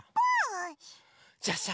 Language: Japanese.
じゃあさ